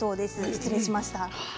失礼いたしました。